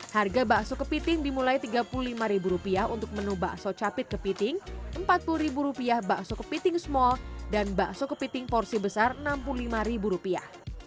harga bakso kepiting dimulai tiga puluh lima rupiah untuk menu bakso capit kepiting empat puluh rupiah bakso kepiting small dan bakso kepiting porsi besar enam puluh lima rupiah